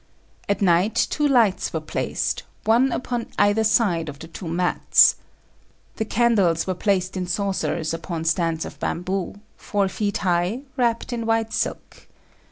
At night two lights were placed, one upon either side of the two mats. The candles were placed in saucers upon stands of bamboo, four feet high, wrapped in white silk.